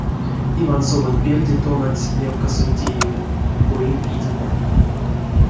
Иванцовонь пельде тонадсь левкасонь тееме, оень пидеме.